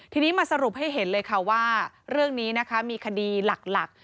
ทีนี้มาสรุปให้เห็นเลยค่ะว่าเรื่องนี้นะคะมีคดีหลัก